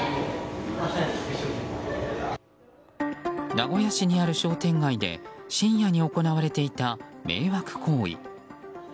名古屋市にある商店街で深夜に行われていた迷惑行為。